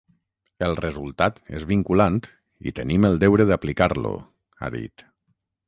El resultat és vinculant i tenim el deure d’aplicar-lo, ha dit.